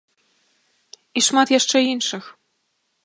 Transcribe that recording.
І шмат яшчэ іншых.